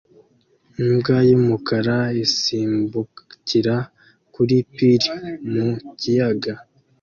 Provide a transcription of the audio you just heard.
Imbwa y'umukara isimbukira kuri pir mu kiyaga